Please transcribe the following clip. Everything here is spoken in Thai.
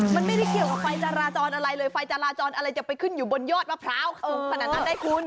มันไม่ได้เกี่ยวกับไฟจราจรอะไรเลยไฟจราจรอะไรจะไปขึ้นอยู่บนยอดมะพร้าวสูงขนาดนั้นได้คุณ